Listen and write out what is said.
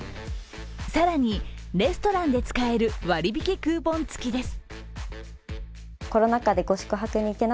更にレストランで使える割引きクーポン付きです。